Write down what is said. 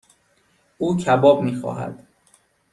او کباب میخواهد.